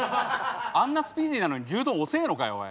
あんなスピーディーなのに牛丼遅えのかよおい。